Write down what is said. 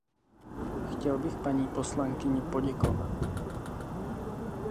Chtěla bych paní poslankyni poděkovat.